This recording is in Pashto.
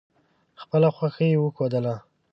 خپله خوښي وښودله.